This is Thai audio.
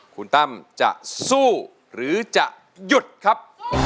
คุณตั้มจะสู้หรือจะหยุดครับ